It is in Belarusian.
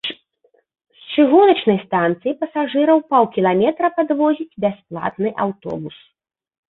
З чыгуначнай станцыі пасажыраў паўкіламетра падвозіць бясплатны аўтобус.